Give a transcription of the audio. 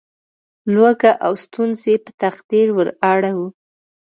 لوږه او ستونزې په تقدیر وراړوو.